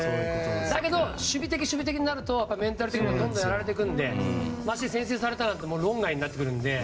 だけど、守備的になるとメンタル的にどんどんやられていくのでまして、先制されたら論外になってくるので。